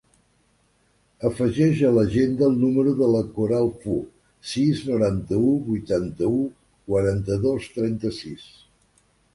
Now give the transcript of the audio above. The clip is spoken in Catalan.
Afegeix a l'agenda el número de la Coral Fu: sis, noranta-u, vuitanta-u, quaranta-dos, trenta-sis.